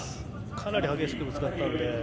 かなり激しくぶつかったので。